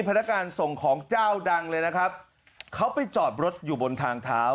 พนักงานส่งของเจ้าดังเลยนะครับเขาไปจอดรถอยู่บนทางเท้า